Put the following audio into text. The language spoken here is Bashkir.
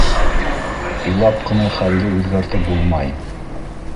Илап ҡына хәлде үҙгәртеп булмай.